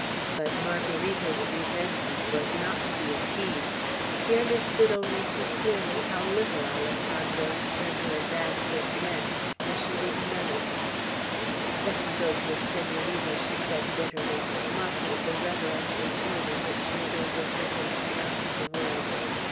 But Margarita's resentment was not to be appeased. She understood only too clearly how little Alessandro's gentle advances meant, and she would none of them. "Let him go to his Senorita," she said bitterly, mocking the reverential tone in which she had overheard him pronounce the word.